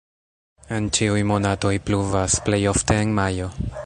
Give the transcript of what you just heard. En ĉiuj monatoj pluvas, plej ofte en majo.